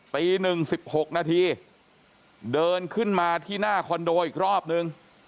ตี๑๑๖นาทีเดินขึ้นมาที่หน้าคอนโดอีกรอบนึง